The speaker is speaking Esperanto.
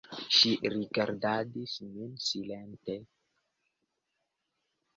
Ŝi rigardadis min silente.